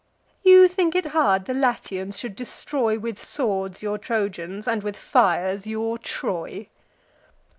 You think it hard, the Latians should destroy With swords your Trojans, and with fires your Troy!